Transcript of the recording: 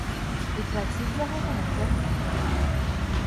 І плаціць за гэта нічога не трэба.